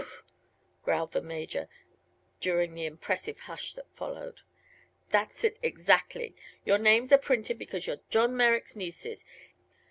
"Phoo!" growled the Major, during the impressive hush that followed; "that's it, exactly. Your names are printed because you're John Merrick's nieces.